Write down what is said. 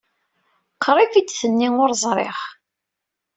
Qrib ay d-tenni Ur ẓriɣ.